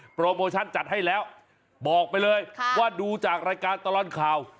โปรโมชั่นจัดให้แล้วบอกไปเลยว่าดูจากรายการตลอดข่าว